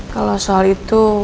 kalau soal itu